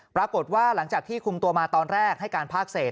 ปรากฏว่าหลังจากที่คุมตัวมาตอนแรกให้การภาคเศษ